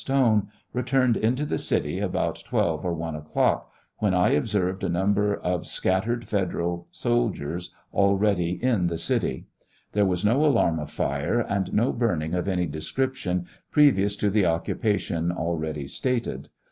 Stone, returned into the city about 12 of 1 o'clock, when I observed a number of scattered Federal soldiers already in the city. There was no alarm of fire, and no burning of any descrip tion previous to the occupation already stated.